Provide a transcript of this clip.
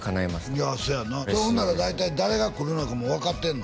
いやそやなほんだら大体誰が来るのかも分かってんの？